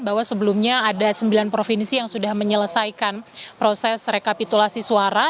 bahwa sebelumnya ada sembilan provinsi yang sudah menyelesaikan proses rekapitulasi suara